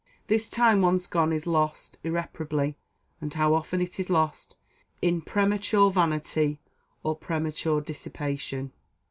This time once gone is lost irreparably; and how often it is lost in premature vanity, or premature dissipation!